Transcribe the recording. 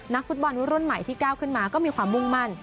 ฟุตบอลรุ่นใหม่ที่ก้าวขึ้นมาก็มีความมุ่งมั่น